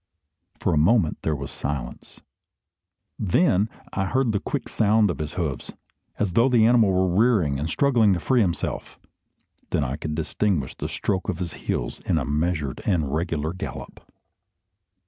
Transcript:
For a moment there was silence. Then I heard the quick sounds of his hoofs, as though the animal were rearing and struggling to free himself. Then I could distinguish the stroke of his heels in a measured and regular gallop.